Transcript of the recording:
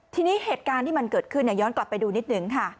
ทีนี้เหตุการณ์ที่มันเกิดขึ้นย้อนกลับไปดูนิดหนึ่งค่ะ